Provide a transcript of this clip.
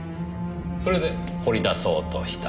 それで掘り出そうとした。